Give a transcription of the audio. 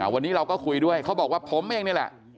วันนี้เราก็คุยด้วยเขาบอกว่าผมเองนี่แหละ